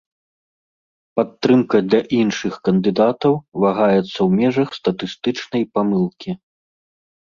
Падтрымка для іншых кандыдатаў вагаецца ў межах статыстычнай памылкі.